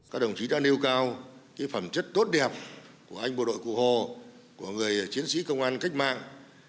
các đồng chí đã nêu cao phẩm chất tốt đẹp của anh bộ đội cụ hồ của người chiến sĩ công an cách mạng